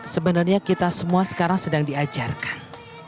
sebenarnya kita semua sekarang sedang diajarkan